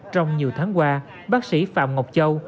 trong nhiều tháng qua bác sĩ phạm ngọc châu